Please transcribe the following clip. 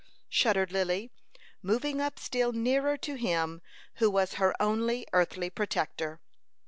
shuddered Lily, moving up still nearer to him who was her only earthly protector.